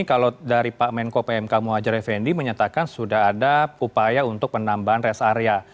kalau dari pak menko pmk muhajir effendi menyatakan sudah ada upaya untuk penambahan rest area